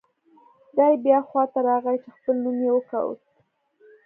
دی بیا خوا ته راغی چې خپل نوم یې وکوت.